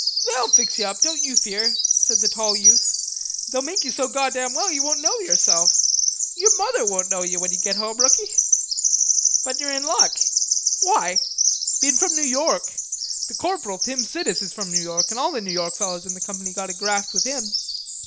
"They'll fix ye up, don't you fear," said the tall youth. "They'll make you so goddam well ye won't know yerself. Yer mother won't know ye, when you get home, rookie.... But you're in luck." "Why?" "Bein' from New York. The corporal, Tim Sidis, is from New York, an' all the New York fellers in the company got a graft with him."